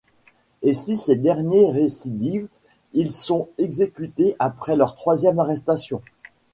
Et si ces derniers récidivent, ils sont exécutés après leur troisième arrestation.